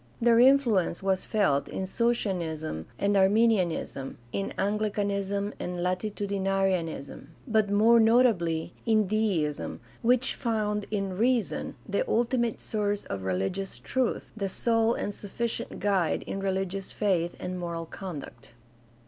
Their influence was felt in Socinianism and Arminianism, in Anglicanism and Latitudinarianism, but more notably in Deism, which found in reason the ulti mate source of religious truth, the sole and sufficient guide in religious faith and moral conduct.